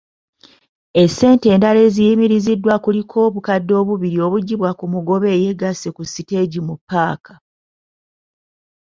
Essente endala eziyimiriziddwa kuliko obukadde obubiri obujjibwa ku mugoba ayeegasse ku siteegi mu ppaka.